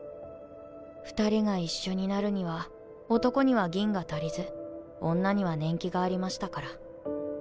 ２人が一緒になるには男には銀が足りず女には年季がありましたから。